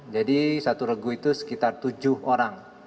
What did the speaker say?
jadi satu regu itu sekitar tujuh orang